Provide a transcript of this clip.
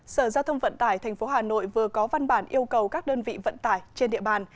sở giao thông vận tải tp hà nội vừa có văn bản yêu cầu các đơn vị vận tải trên địa bàn